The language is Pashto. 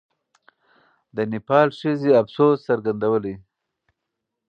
د نېپال ښځې افسوس څرګندولی.